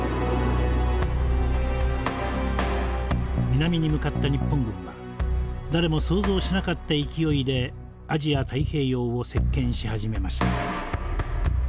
南に向かった日本軍は誰も想像しなかった勢いでアジア太平洋を席巻し始めました。